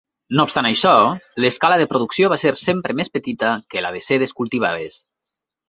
No obstant això, l'escala de producció va ser sempre més petita que la de sedes cultivades.